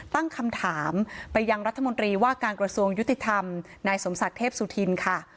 ตั้งคำถามไปยังรัฐมนตรีว่าการกระทรวงยุติธรรมนายสมศักดิ์เทพสุธินค่ะ